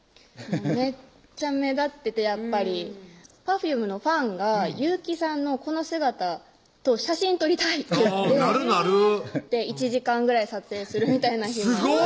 めっちゃ目立っててやっぱりＰｅｒｆｕｍｅのファンが雄希さんのこの姿と「写真撮りたい」って言ってなるなる１時間ぐらい撮影するみたいなすごい！